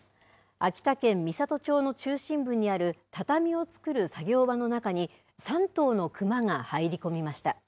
秋田県美郷町の中心部にある畳を作る作業場の中に、３頭の熊が入り込みました。